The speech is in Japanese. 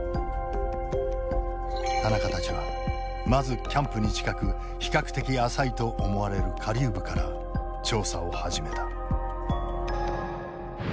田中たちはまずキャンプに近く比較的浅いと思われる下流部から調査を始めた。